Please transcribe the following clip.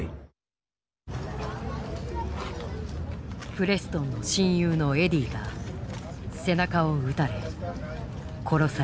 プレストンの親友のエディが背中を撃たれ殺された。